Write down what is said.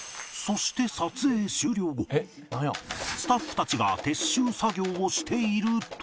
そしてスタッフたちが撤収作業をしていると